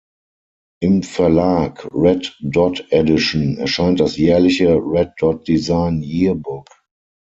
Im Verlag "Red Dot Edition" erscheint das jährliche "Red Dot Design Yearbook".